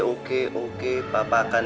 zul sekarang tidak akan